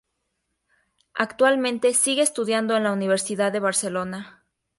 Actualmente sigue estudiando en el Universidad de Barcelona.